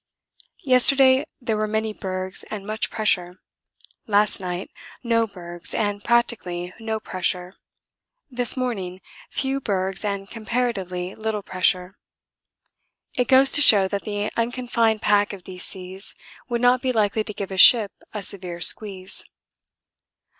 Yesterday there were many bergs and much pressure; last night no bergs and practically no pressure; this morning few bergs and comparatively little pressure. It goes to show that the unconfined pack of these seas would not be likely to give a ship a severe squeeze.